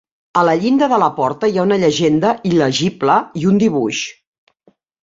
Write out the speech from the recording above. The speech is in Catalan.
A la llinda de la porta hi ha una llegenda il·legible i un dibuix.